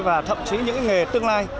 và thậm chí những nghề tương lai